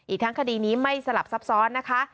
ทั้งคดีนี้ไม่สลับซับซ้อนนะคะ